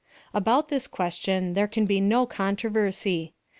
About this question there can be no controversy.